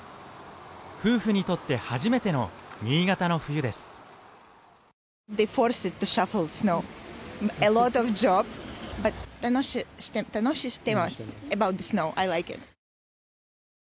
夫婦にとって初めての新潟の冬です。